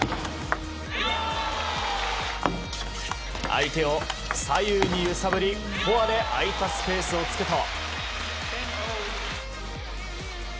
相手を左右に揺さぶりフォアで空いたスペースを突くと。